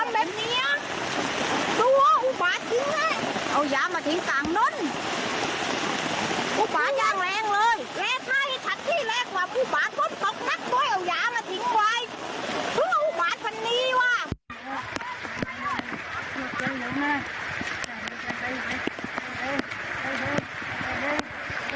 เธอต้องมาทิ้งไว้ทุกอุบาทคันนี้ว่ะ